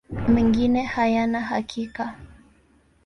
Mengine hayana hakika.